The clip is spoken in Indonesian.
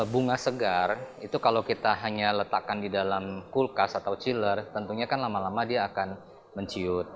bunga segar itu kalau kita hanya letakkan di dalam kulkas atau chiller tentunya kan lama lama dia akan menciut